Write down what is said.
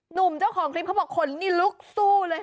หนุ่มเจ้าของคลิปเขาบอกขนนี่ลุกสู้เลย